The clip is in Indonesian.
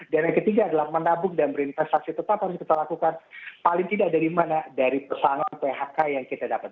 dan yang ketiga adalah menabung dan berinvestasi tetap harus kita lakukan paling tidak dari mana dari persamaan phk yang kita dapat